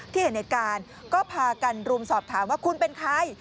ที่เห็นในการก็พากันรวมสอบถามว่าคุณเป็นใคร